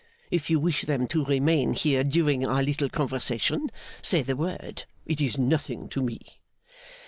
If you wish them to remain here during our little conversation, say the word. It is nothing to me.